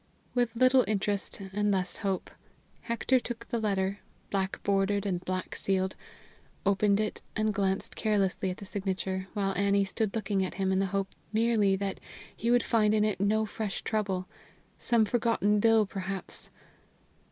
With little interest and less hope, Hector took the letter, black bordered and black sealed, opened it, and glanced carelessly at the signature, while Annie stood looking at him, in the hope merely that he would find in it no fresh trouble some forgotten bill perhaps!